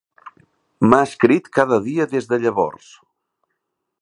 M'ha escrit cada dia des de llavors.